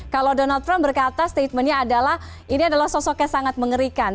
kalau donald trump berkata statementnya adalah ini adalah sosok yang sangat mengerikan